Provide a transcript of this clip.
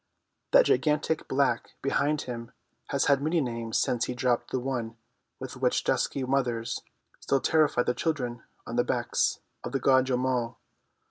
That gigantic black behind him has had many names since he dropped the one with which dusky mothers still terrify their children on the banks of the Guadjo mo.